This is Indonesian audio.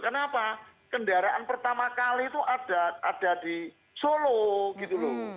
kenapa kendaraan pertama kali itu ada di solo gitu loh